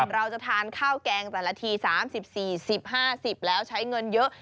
เราจะทานข้าวแกงแต่ละที๓๐๔๐๕๐แล้วใช้เงินเยอะ